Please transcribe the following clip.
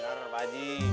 bener pak waji